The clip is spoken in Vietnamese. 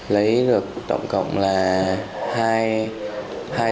lấy được tổng cộng là hai dây chuyền